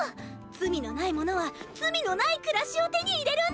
罪のない者は罪のない暮らしを手に入れるんです。